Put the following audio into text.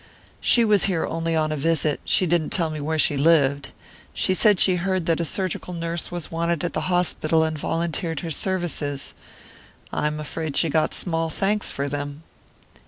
"She was here only on a visit; she didn't tell me where she lived. She said she heard that a surgical nurse was wanted at the hospital, and volunteered her services; I'm afraid she got small thanks for them."